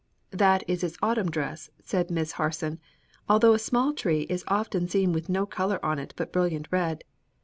"That is its autumn dress," said Miss Harson, "although a small tree is often seen with no color on it but brilliant red.